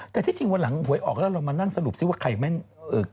แต่ที่จริงวันหลังหวยออกแล้วเรามานั่งสรุปซิว่าใครแม่นเอ่อ